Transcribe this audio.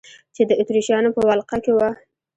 چې د اتریشیانو په ولقه کې وه.